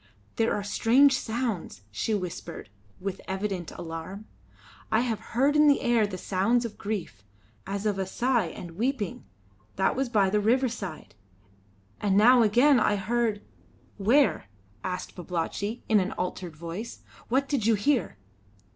"There are strange sounds," she whispered, with evident alarm. "I have heard in the air the sounds of grief, as of a sigh and weeping. That was by the riverside. And now again I heard " "Where?" asked Babalatchi, in an altered voice. "What did you hear?"